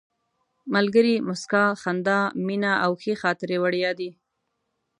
ملګري، موسکا، خندا، مینه او ښې خاطرې وړیا دي.